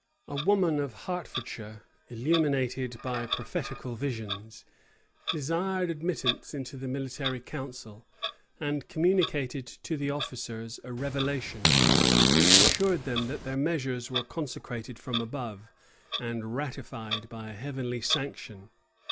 A woman of Hertfordshire, illuminated by prophetical visions, desired admittance into the military council, and communicated to the officers a revelation, which assured them that their measures were consecrated from above, and ratified by a heavenly sanction.